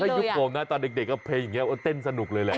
ยุคผมนะตอนเด็กเพลงอย่างนี้เต้นสนุกเลยแหละ